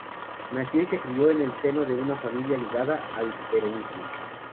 Nació y se crio en el seno de una familia ligada al peronismo.